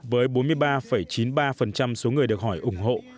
với bốn mươi ba chín mươi ba số người được hỏi ủng hộ